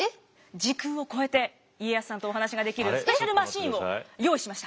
時空を超えて家康さんとお話ができるスペシャルマシンを用意しました。